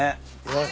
よし。